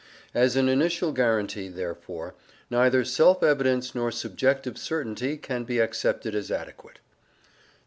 As an initial guarantee, therefore, neither self evidence nor subjective certainty can be accepted as adequate.